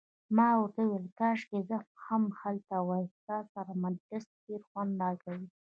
ما ورته وویل: کاشکي زه هم هلته وای، ستا سره مجلس ډیر خوند راکوي.